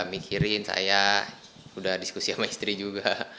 mikirin saya udah diskusi sama istri juga